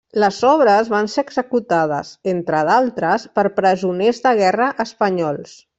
Les obres van ser executades entre d'altres per presoners de guerra espanyols.